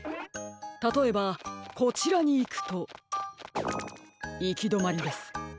たとえばこちらにいくといきどまりです。